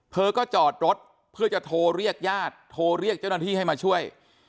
เธอก็จอดรถเพื่อจะโทรเรียกญาติโทรเรียกเจ้าหน้าที่ให้มาช่วย